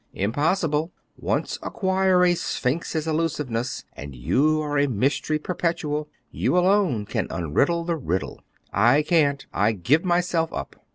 "Impossible. Once acquire a sphinx's elusiveness and you are a mystery perpetual. You alone can unriddle the riddle." "I can't. I give myself up."